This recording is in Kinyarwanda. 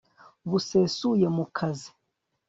busesuye mu kazi